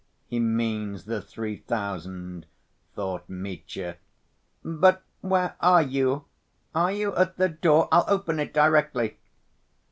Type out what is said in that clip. "He means the three thousand," thought Mitya. "But where are you? Are you at the door? I'll open it directly."